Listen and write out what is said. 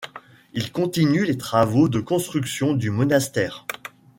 Il continue les travaux de construction du monastère.